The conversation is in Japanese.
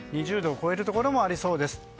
２０度を超えるところもありそうです。